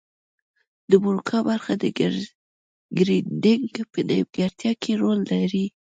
د بروکا برخه د ګړیدنګ په نیمګړتیا کې رول لري